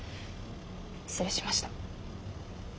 失礼しました。